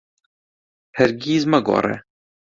هەرگیز مەگۆڕێ.